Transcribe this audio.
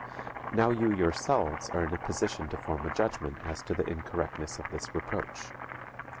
Now you yourselves are in a position to form a judgment as to the incorrectness of this reproach.